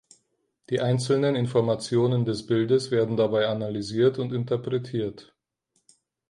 Die einzelnen Informationen des Bildes werden dabei analysiert und interpretiert.